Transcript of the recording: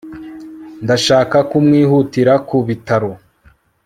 ndashaka kumwihutira ku bitaro